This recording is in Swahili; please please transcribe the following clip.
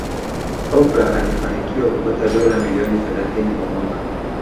Oprah alifanikiwa kupata dola milioni thelathini kwa mwaka